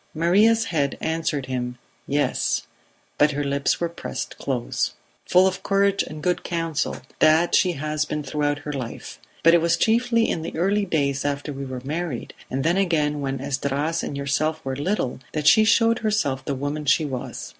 Maria's head answered him "Yes," but her lips were pressed close. "Full of courage and good counsel, that she has been throughout her life; but it was chiefly in the early days after we were married, and then again when Esdras and yourself were little, that she showed herself the woman she was.